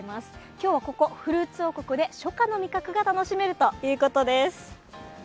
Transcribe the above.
今日はここ、フルーツ王国で初夏の味覚が楽しめるということです。